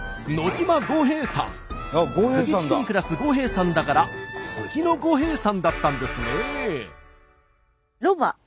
杉地区に暮らす五兵衛さんだから杉の五兵衛さんだったんですね。